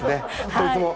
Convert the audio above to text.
こいつも。